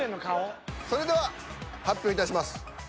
それでは発表いたします。